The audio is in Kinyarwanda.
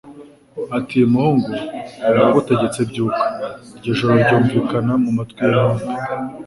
ati: «Muhungu ndagutegetse byuka!» Iryo jwi ryumvikana mu matwi y'intumbi.